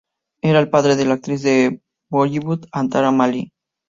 Era el padre de la actriz de Bollywood, Antara Mali.